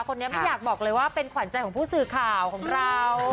คนนี้ไม่อยากบอกเลยว่าเป็นขวัญใจของผู้สื่อข่าวของเรา